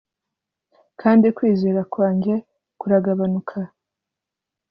kandi kwizera kwanjye kuragabanuka--